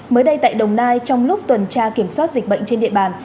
mới đây tại đồng nai trong lúc tuần tra kiểm soát dịch bệnh trên địa bàn